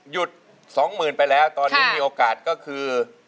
สองหมื่นไปแล้วตอนนี้มีโอกาสก็คือ